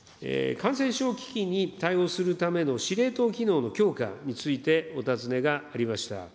感染症危機に対応するための司令塔機能の強化についてお尋ねがありました。